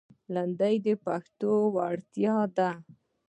لندۍ د پښتو ځانګړتیا ده